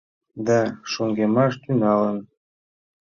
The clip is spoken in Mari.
Да, шоҥгемаш тӱҥалын.